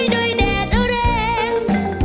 ด้วยแดดแรง